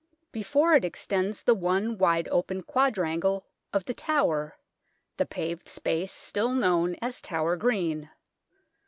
Before it extends the one wide open quadrangle of The Tower, the paved space still known as Tower Green.